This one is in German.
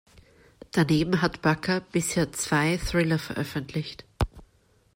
Daneben hat Bakker bisher zwei Thriller veröffentlicht.